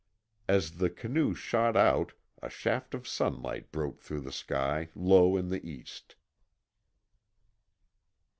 As the canoe shot out a shaft of sunlight broke through the sky low in the east.